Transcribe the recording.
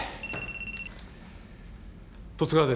十津川です。